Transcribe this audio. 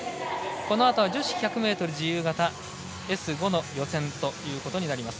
このあとは女子１００ｍ自由形Ｓ５の予選となります。